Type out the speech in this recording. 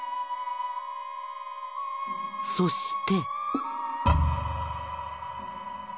そして。